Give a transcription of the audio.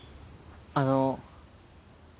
あの。